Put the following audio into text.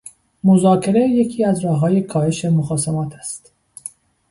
مذاکره یکی از راههای کاهش مخاصمات است